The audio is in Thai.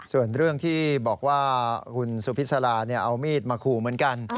ส่วนเรื่องที่บอกว่าคุณสุพิษลาเอามีดมาขู่เหมือนกัน